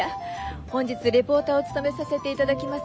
本日レポーターを務めさせて頂きます